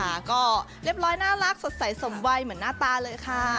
เรียบร้อยน่ารักสบายเหมือนหน้าตา